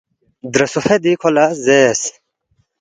درے سوفیدی کھو لہ زیرس،